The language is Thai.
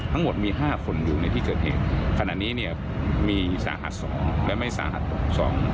ทั้งหมดมีห้าคนอยู่ในที่เกิดเหตุขณะนี้เนี่ยมีสาหัสสองและไม่สาหัสหกสอง